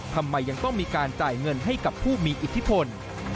ทำไมยังต้องมีการจ่ายเงินให้กับผู้มีอิทธิพล